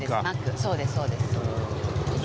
そうですそうです。